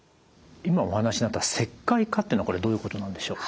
今お話しになった石灰化っていうのはこれどういうことなんでしょう。